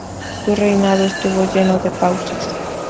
Su reinado estuvo lleno de pausas.